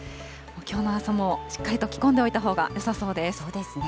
きょうの朝も、しっかりと着込んでおいたほうがよさそうです。